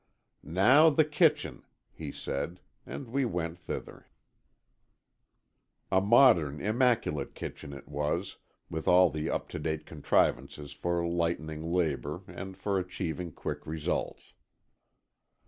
"Now the kitchen," he said, and we went thither. A modern, immaculate kitchen it was, with all the up to date contrivances for lightening labour and for achieving quick results.